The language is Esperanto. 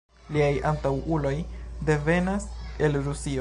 Liaj antaŭuloj devenas el Rusio.